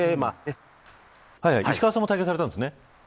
石川さんも体験されたんですね。